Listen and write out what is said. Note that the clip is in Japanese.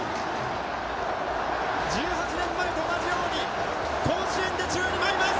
１８年前と同じように甲子園で宙に舞います！